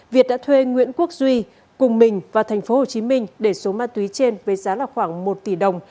việt đã thuê nguyễn quốc duy cùng mình vào tp hcm để số ma túy trên với giá khoảng một tỷ đồng